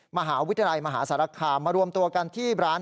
มหาวิทยาลัยมหาสารคามมารวมตัวกันที่ร้าน